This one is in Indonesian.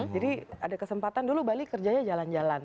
jadi ada kesempatan dulu bali kerjanya jalan jalan